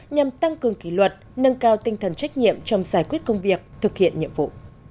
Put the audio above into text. nhằm tăng cường kỷ luật nâng cao tinh thần trách nhiệm trong giải quyết công việc thực hiện nhiệm vụ